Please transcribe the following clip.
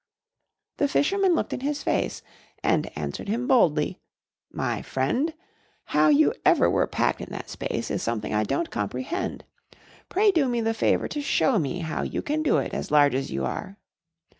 The fisherman looked in his face, And answered him boldly: "My friend, How you ever were packed in that space Is something I don't comprehend. Pray do me the favor to show me how you Can do it, as large as you are."